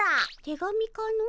手紙かの？